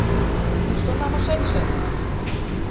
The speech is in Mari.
Кушто намышетше?